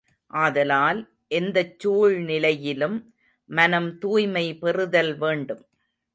ஆதலால், எந்தச் சூழ்நிலையிலும் மனம் தூய்மை பெறுதல் வேண்டும்.